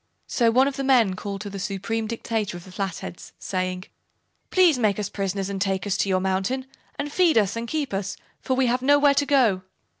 So one of the men called to the Supreme Dictator of the Flatheads, saying: "Please make us prisoners and take us to your mountain, and feed and keep us, for we have nowhere to go."